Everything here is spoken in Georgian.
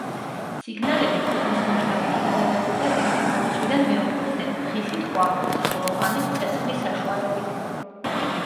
სიგნალები ქვეყნის მასშტაბით იგზავნებოდა ერთი ბორცვიდან მეორეზე, დღისით კვამლის, ხოლო ღამით ცეცხლის საშუალებით.